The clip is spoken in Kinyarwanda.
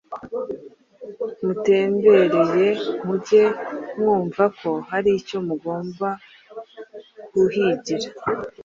mutembereye, muge mwumva ko hari icyo mugomba kuhigira.